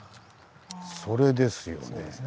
それですよね。